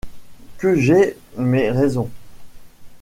Que j’ai mes raisons.